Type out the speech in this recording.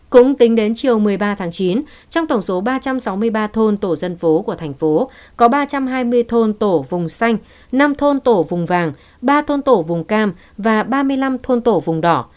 cũng tính đến chiều một mươi ba tháng chín trong tổng số ba trăm sáu mươi ba thôn tổ dân phố của thành phố có ba trăm hai mươi thôn tổ vùng xanh năm thôn tổ vùng vàng ba thôn tổ vùng cam và ba mươi năm thôn tổ vùng đỏ